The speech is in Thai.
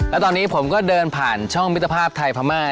แล้วตอนนี้ผมก็เดินผ่านช่องมิตรภาพไทยพม่า